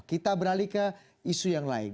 kita beralih ke isu yang lain